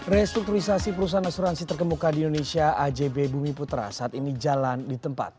restrukturisasi perusahaan asuransi terkemuka di indonesia ajb bumi putra saat ini jalan di tempat